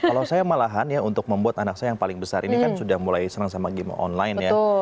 kalau saya malahan ya untuk membuat anak saya yang paling besar ini kan sudah mulai senang sama game online ya